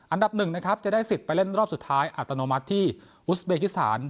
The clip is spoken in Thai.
อันดับหนึ่งนะครับจะได้สิทธิ์ไปเล่นรอบสุดท้ายอัตโนมัติที่อุสเบกิสถาน